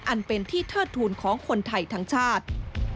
อันเป็นที่เทิดทูลของคนไทยทั้งชาติ